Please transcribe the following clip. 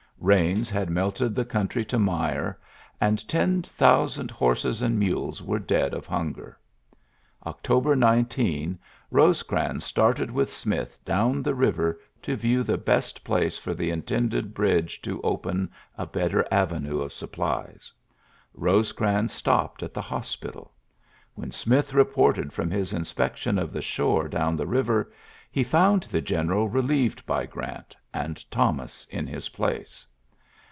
Baa had melted the country to mire, and t thousand horses and mules were dead hunger. October 19, Bosecrans start with Smith down the river to view t best place for the intended bridge open a better avenue of supplies. Ba crans stopped at the hospital. Wh Smith reported from his inspection the shore down the river, he found t general relieved by Grant, and Thon in his place.